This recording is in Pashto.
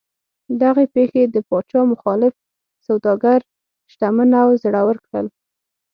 دغې پېښې د پاچا مخالف سوداګر شتمن او زړور کړل.